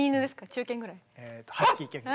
中犬ぐらい？